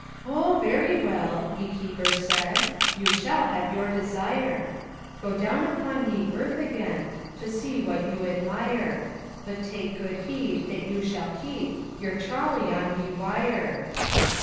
"Oh, verie welle," ye keeper sayde, "You shall have your desyre: Go downe uponne ye earth agayne To see whatte you admyre But take goode heede that you shall keepe Your trolley on ye wyre."